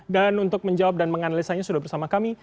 dan untuk menjawab dan menganalisanya sudah bersama kami